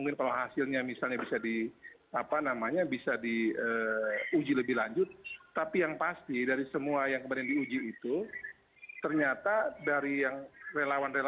nah ini yang terakhir